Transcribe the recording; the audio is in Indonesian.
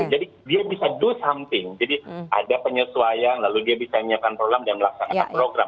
jadi dia bisa do something jadi ada penyesuaian lalu dia bisa menyiapkan program dan melaksanakan program